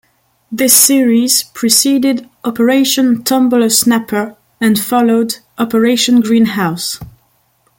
This series preceded "Operation Tumbler-Snapper" and followed "Operation Greenhouse".